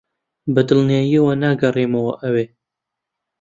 بەدڵنیاییەوە ناگەڕێمەوە ئەوێ.